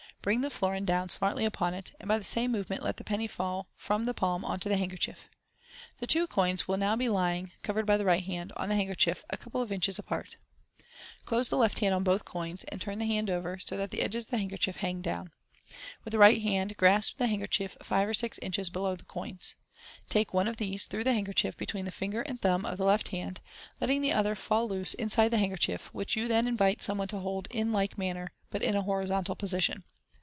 Bring the florin down smartly upon it, and by the same movement let the penny fall from the palm on to the hand kerchief. The two coins will now be lying (covered by the right hand) on the handkerchief, a couple of inches apart. Close the left hand on both coins, and turn the hand over, so that the edges of the handkerchief hang down. With the right hand grasp the hand kerchief fivo or six inches below the coins. Take one of these through the handkerchief between the finger and thumb of the left Fig. 76. 166 MODERN MAGIC. hand, letting the other fall loose inside the handkerchief, which yon then invite some one to hold in like manner, but in a horizontal posi tion.